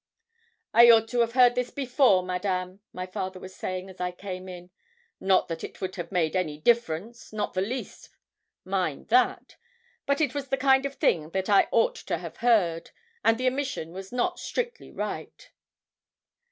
'I ought to have heard of this before, Madame,' my father was saying as I came in; 'not that it would have made any difference not the least; mind that. But it was the kind of thing that I ought to have heard, and the omission was not strictly right.'